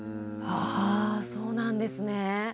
あそうなんですね。